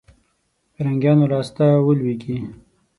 فرنګیانو لاسته ولوېږي.